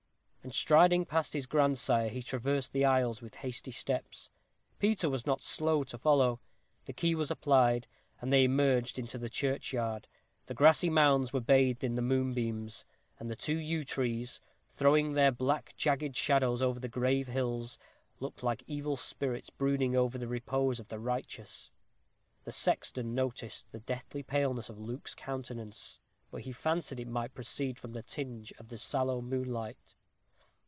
And striding past his grandsire he traversed the aisles with hasty steps. Peter was not slow to follow. The key was applied, and they emerged into the churchyard. The grassy mounds were bathed in the moonbeams, and the two yew trees, throwing their black jagged shadows over the grave hills, looked like evil spirits brooding over the repose of the righteous. The sexton noticed the deathly paleness of Luke's countenance, but he fancied it might proceed from the tinge of the sallow moonlight.